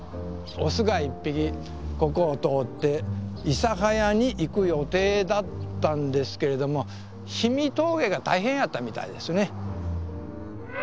オスが１匹ここを通って諫早に行く予定だったんですけれども日見峠が大変やったみたいですね。